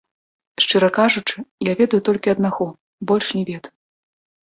Шчыра кажучы, я ведаю толькі аднаго, больш не ведаю.